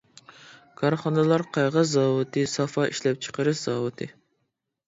كارخانىلار قەغەز زاۋۇتى، سافا ئىشلەپچىقىرىش زاۋۇتى.